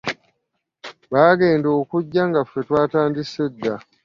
Baagenda okujja nga ffe twatandise dda.